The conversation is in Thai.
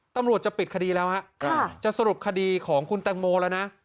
ตำรวจจะปิดคดีแล้วฮะจะสรุปคดีของคุณแตงโมแล้วนะ